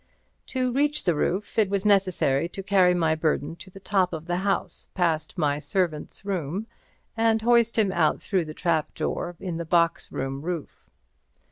To reach the roof, it was necessary to carry my burden to the top of the house, past my servants' room, and hoist him out through the trapdoor in the box room roof.